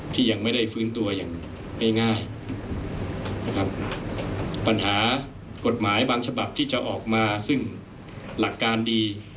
ที่ยังไม่ได้ฟื้นตัวอย่างง่ายง่ายนะครับปัญหากฎหมายบางฉบับที่จะออกมาซึ่งหลักการดี